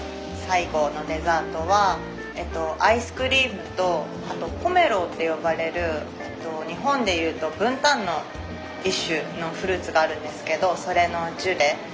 最後のデザートはアイスクリームとあと「ポメロ」って呼ばれる日本でいうとブンタンの一種のフルーツがあるんですけどそれのジュレ